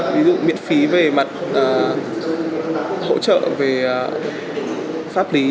ví dụ miễn phí về mặt hỗ trợ về pháp lý